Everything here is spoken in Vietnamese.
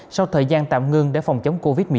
sau thời gian tạm ngưng để phòng chống covid một mươi chín